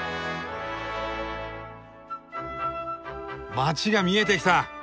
街が見えてきた！